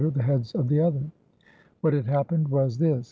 the heads of the other." What had happened was this.